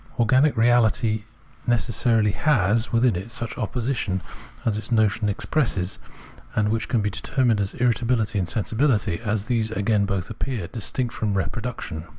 Organic reahty necessarily has within it such an opposition as its notion expresses, and which can be determined as irritabihty and sensibihty, as these again both appear distinct from reproduction.